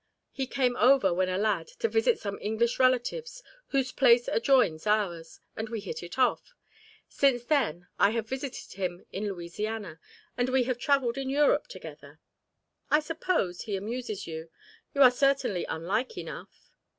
"He came over when a lad to visit some English relatives whose place adjoins ours, and we hit it off. Since then I have visited him in Louisiana, and we have travelled in Europe together." "I suppose he amuses you you are certainly unlike enough."